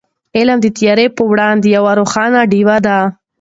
علم د تیارو په وړاندې یوه روښانه ډېوه ده.